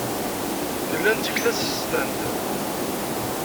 Nella netteg tasestant.